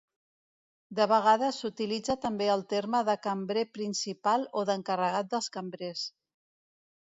De vegades s'utilitza també el terme de cambrer principal o d'encarregat dels cambrers.